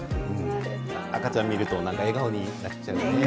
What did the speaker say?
赤ちゃん見るとなんか笑顔になっちゃうね。